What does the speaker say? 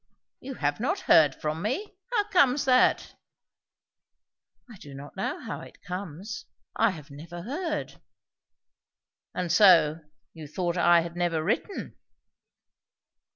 "You have not heard from me? How comes that?" "I do not know how it comes. I have never heard." "And so, you thought I had never written?"